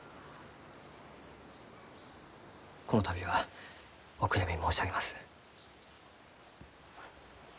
この度はお悔やみ申し上げます。